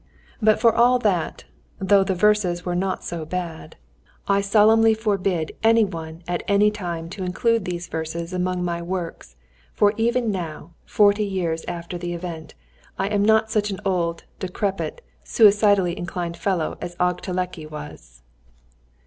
But for all that (though the verses were not so bad) I solemnly forbid any one at any time to include these verses among my works, for even now, forty years after the event, I am not such an old, decrepit, suicidally inclined fellow as Aggteleki was.